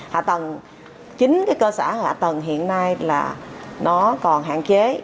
hạ tầng chính cái cơ sở hạ tầng hiện nay là nó còn hạn chế